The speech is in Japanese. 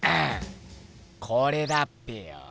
これだっぺよ！